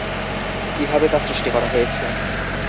কীভাবে তা সৃষ্টি করা হয়েছে।